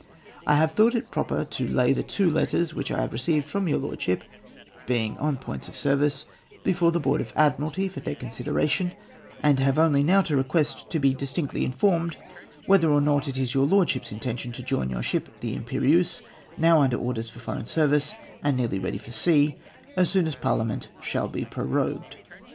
" I have thought it proper to lay the two letters which I have received from your Lordship, l)eing on points of service, before the Board of Admiralty for their consideration ; and have only now to request to he distinctly informed whether or not it is your Lordship's intention to join your ship, the Irnperieuse, now under orders for foreign service, and nearly ready for sea, as soon as Parliament shall be prorogued.